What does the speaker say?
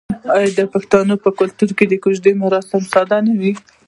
آیا د پښتنو په کلتور کې د کوژدې مراسم ساده نه وي؟